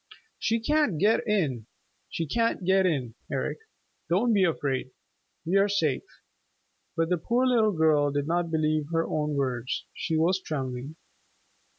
"She can't get in. She can't get in, Eric. Don't be afraid. We are safe." But the poor little girl did not believe her own words. She was trembling.